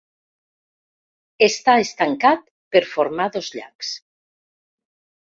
Està estancat per formar dos llacs.